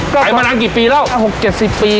ก็ขายมานานกี่ปีแล้ว๖๗๐ปี